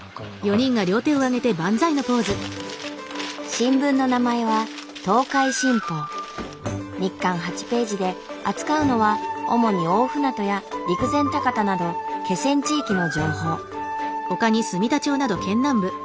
新聞の名前は日刊８ページで扱うのは主に大船渡や陸前高田など気仙地域の情報。